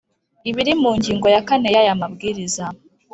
ibiri mu ngingo ya kane y aya mabwiriza